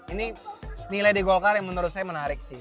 ini nilai di golkar yang menurut saya menarik sih